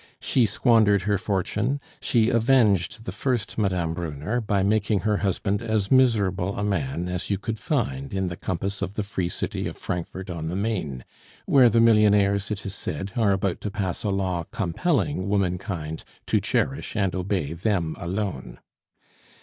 She squandered her fortune, she avenged the first Mme. Brunner by making her husband as miserable a man as you could find in the compass of the free city of Frankfort on the Main, where the millionaires, it is said, are about to pass a law compelling womankind to cherish and obey them alone.